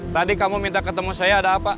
tadi kamu minta ketemu saya ada apa